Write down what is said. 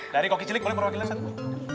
dari koki cilik boleh perwakilan bu